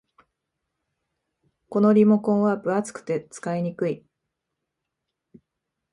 このリモコンは分厚くて使いにくい